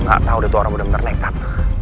gak tau itu orang udah menecap